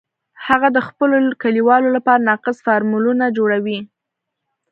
هغه د خپلو کلیوالو لپاره ناقص فارمولونه جوړوي